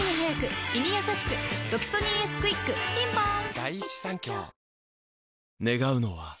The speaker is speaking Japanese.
「ロキソニンＳクイック」ピンポーン